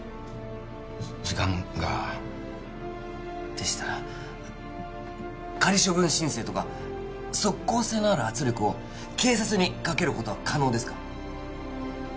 時間がでしたら仮処分申請とか即効性のある圧力を警察にかけることは可能ですか？